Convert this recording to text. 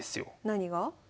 何が？